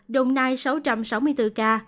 đồng nai sáu trăm sáu mươi bốn ca